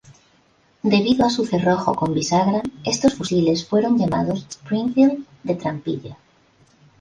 Debido a su cerrojo con bisagra, estos fusiles fueron llamados "Springfield de trampilla".